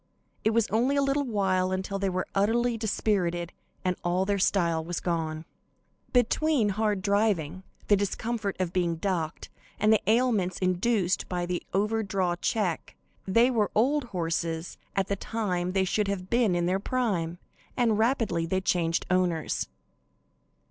It was only a little while until they were utterly dispirited and all their style was gone. Between hard driving, the discomfort of being docked, and the ailments induced by the over draw check, they were old horses at the time they should have been in their prime, and rapidly they changed owners.